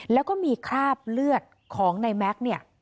แล้วก็มีคราบเลือดของในแม็กซ์เนี่ย